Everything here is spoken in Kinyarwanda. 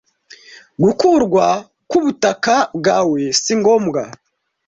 gukurwa ku ubutaka bwawe si ngombwa